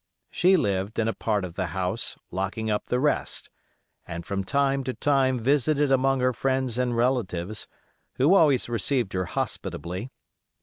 She lived in a part of the house, locking up the rest, and from time to time visited among her friends and relatives, who always received her hospitably.